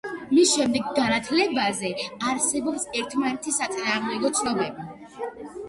მის შემდეგ განათლებაზე არსებობს ერთმანეთის საწინააღმდეგო ცნობები.